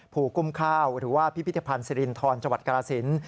ภูกุ้มข้าวหรือว่าพิพิธีพันธ์ซิรินทรจกราศิลป์